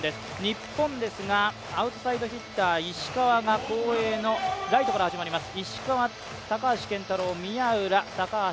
日本ですが、アウトサイドヒッター石川が後衛のライトから始まります。